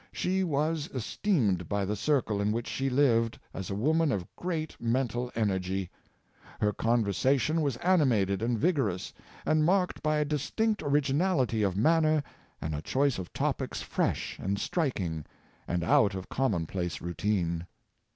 She was esteemed by the circle in which she lived as a woman of great mental energy. Her conversation was animated and vigorous, and marked b}^ a distinct originality of manner and a choice of topics fresh and striking, and out of the commonplace routine.